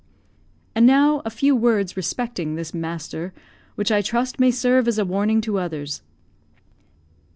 And now a few words respecting this master, which I trust may serve as a warning to others.